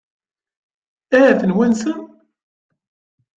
Ad ten-wansen?